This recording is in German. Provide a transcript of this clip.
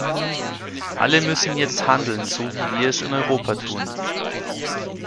Alle müssen jetzt handeln, so wie wir es in Europa tun.